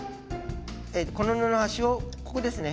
えとこの布端をここですね